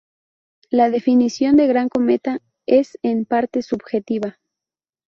La definición de gran cometa es en parte subjetiva.